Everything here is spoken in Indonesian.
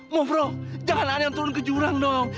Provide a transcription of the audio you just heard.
mufro jangan ada yang turun ke jurang dong